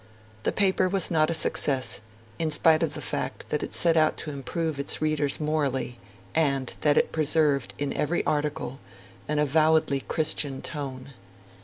The paper was not a success, in spite of the fact that it set out to improve its readers morally and, that it preserved, in every article, an avowedly Christian tone.